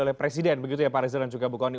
oleh presiden begitu ya pak rizal dan juga bukoni